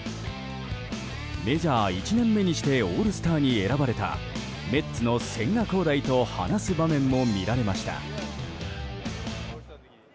メジャー１年目にしてオールスターに選ばれたメッツの千賀滉大と話す場面も見られました。